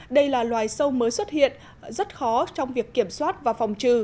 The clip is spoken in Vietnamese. đây là loài sâu mới xuất hiện rất khó trong việc kiểm soát và phòng trừ